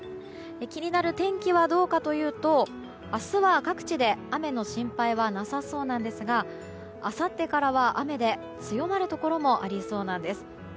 気になる天気はどうかというと明日は各地で雨の心配はなさそうなんですがあさってからは雨で強まるところもありそうなんです。